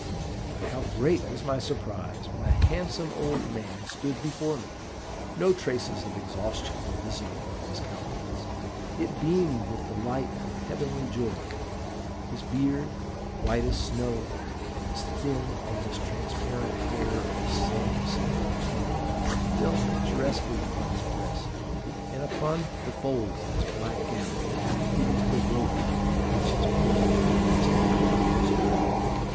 But how great was my surprise when a handsome old man stood before me! No traces of exhaustion were visible on his countenance: it beamed with the light of a heavenly joy. His beard, white as snow, and his thin, almost transparent hair of the same silvery hue, fell picturesquely upon his breast, and upon the folds of his black gown, even to the rope with which his poor monastic garb was girded.